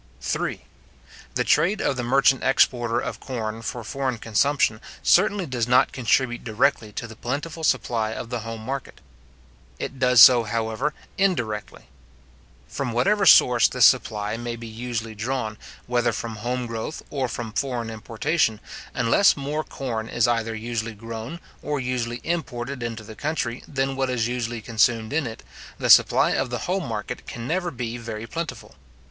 III. The trade of the merchant exporter of corn for foreign consumption, certainly does not contribute directly to the plentiful supply of the home market. It does so, however, indirectly. From whatever source this supply maybe usually drawn, whether from home growth, or from foreign importation, unless more corn is either usually grown, or usually imported into the country, than what is usually consumed in it, the supply of the home market can never be very plentiful.